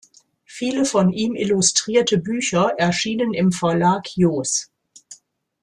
Viele von ihm illustrierte Bücher erschienen im Verlag Jos.